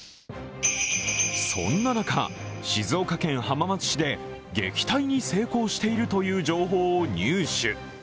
そんな中、静岡県浜松市で撃退に成功しているという情報を入手。